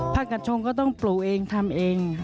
กระชงก็ต้องปลูกเองทำเอง